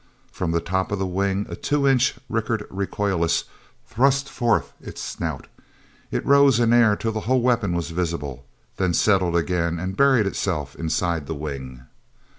From the top of the wing a two inch Rickert recoilless thrust forth its snout; it rose in air till the whole weapon was visible, then settled again and buried itself inside the wing.